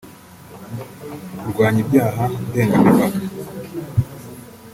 kurwanya ibyaha ndengamipaka